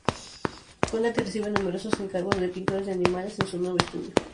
Koller recibe numerosos encargos de pinturas de animales en su nuevo estudio.